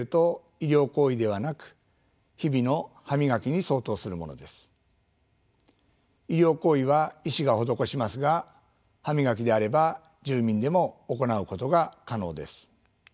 医療行為は医師が施しますが歯磨きであれば住民でも行うことが可能です。